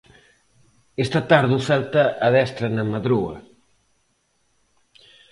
Esta tarde o Celta adestra na Madroa.